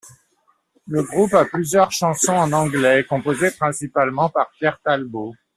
Le groupe a plusieurs chansons en anglais, composées principalement par Pierre Talbot.